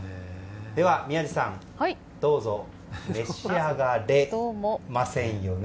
では宮司さん、どうぞ召し上がれませんよね。